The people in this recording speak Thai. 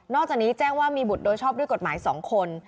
จากนี้แจ้งว่ามีบุตรโดยชอบด้วยกฎหมาย๒คน